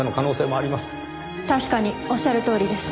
確かにおっしゃるとおりです。